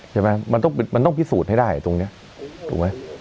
ใช่ไหมมันต้องพิสูจน์ให้ได้ตรงนี้ถูกไหม